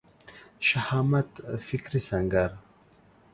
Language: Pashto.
شهامت فکري سنګر